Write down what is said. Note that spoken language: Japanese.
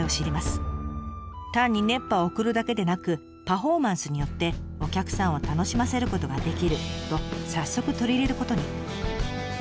単に熱波を送るだけでなくパフォーマンスによってお客さんを楽しませることができると早速取り入れることに。